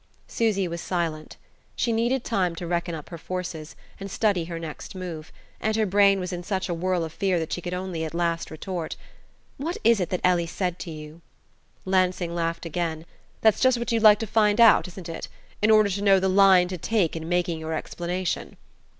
Susy was silent: she needed time to reckon up her forces, and study her next move; and her brain was in such a whirl of fear that she could at last only retort: "What is it that Ellie said to you?" Lansing laughed again. "That's just what you'd like to find out isn't it? in order to know the line to take in making your explanation."